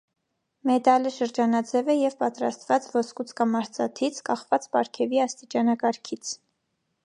Մեդալը շրջանաձև է և պատրաստված ոսկուց կամ արծաթից՝ կախված պարգևի աստիճանակարգից։